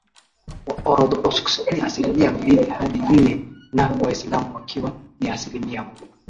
Waorthodoks ni asilimia mbili hadi nne na waislamu wakiwa ni asilimia moja